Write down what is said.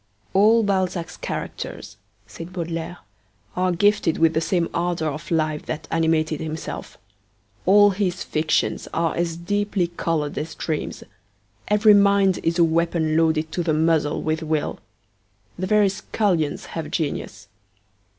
'All Balzac's characters,' said Baudelaire, 'are gifted with the same ardour of life that animated himself. All his fictions are as deeply coloured as dreams. Every mind is a weapon loaded to the muzzle with will. The very scullions have genius.'